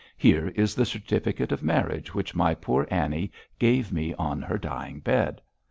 'Here is the certificate of marriage which my poor Annie gave me on her dying bed.